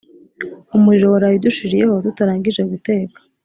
umuriro waraye udushiriyeho tutarangije guteka